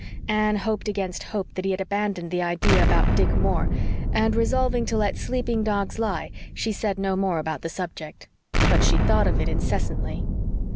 Anne hoped against hope that he had abandoned the idea about Dick Moore, and, resolving to let sleeping dogs lie, she said no more about the subject. But she thought of it incessantly.